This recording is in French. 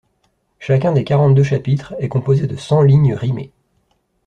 Chacun des quarante-deux chapitres est composé de cent lignes rimées.